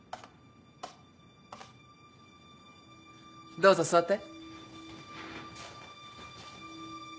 どうぞ座って。